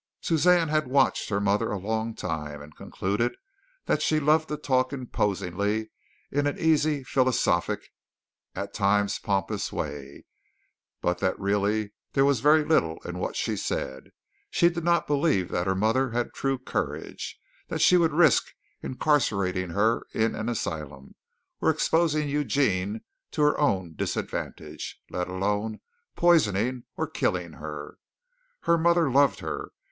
Suzanne had watched her mother a long time and concluded that she loved to talk imposingly in an easy, philosophic, at times pompous, way, but that really there was very little in what she said. She did not believe that her mother had true courage that she would risk incarcerating her in an asylum, or exposing Eugene to her own disadvantage, let alone poisoning or killing her. Her mother loved her.